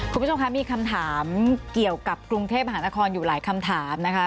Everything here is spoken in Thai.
คุณผู้ชมคะมีคำถามเกี่ยวกับกรุงเทพมหานครอยู่หลายคำถามนะคะ